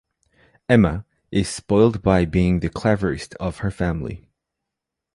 Emma is spoiled by being the cleverest of her family.